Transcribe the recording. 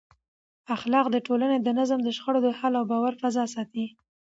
اخلاق د ټولنې د نظم، د شخړو د حل او د باور فضا ساتي.